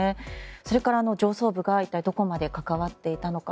それから上層部が一体どこまで関わっていたのか。